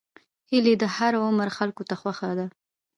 هیلۍ د هر عمر خلکو ته خوښه ده